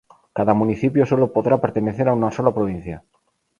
Cada municipio solo podrá pertenecer a una sola provincia.